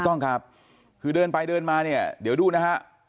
ถูกต้องครับคือเดินไปเดินมาเนี่ยเดี๋ยวดูนะฮะ